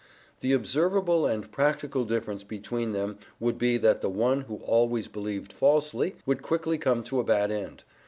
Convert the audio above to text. The observable and practical difference between them would be that the one who always believed falsely would quickly come to a bad end.